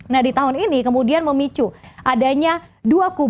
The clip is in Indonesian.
nah di tahun ini kemudian memicu adanya dua kubu yaitu pro uni eropa dan juga pro rusia